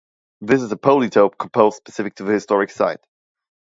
This is a "polytope" composed specific to the historic site.